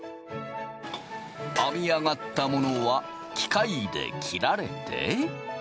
編み上がったものは機械で切られて。